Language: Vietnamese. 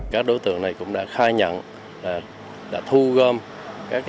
các đối tượng này cũng đã khai nhận đã thu gom các con heo